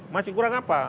masih kurang apa